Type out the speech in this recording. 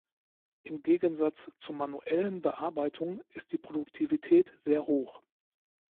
Im Gegensatz zur manuellen Bearbeitung ist die Produktivität sehr hoch.